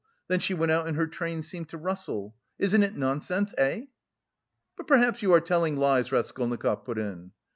Then she went out and her train seemed to rustle. Isn't it nonsense, eh?" "But perhaps you are telling lies?" Raskolnikov put in.